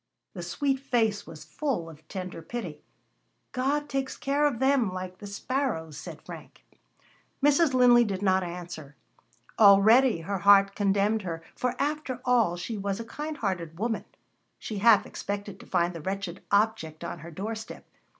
The sweet face was full of tender pity. "God takes care of them, like the sparrows," said Frank. [Illustration: "They shivered with the cold."] Mrs. Linley did not answer. Already her heart condemned her, for after all, she was a kind hearted woman. She half expected to find the wretched object on her doorstep.